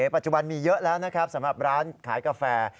ปัจจุบันมีเยอะแล้วนะครับสำหรับร้านขายกาแฟ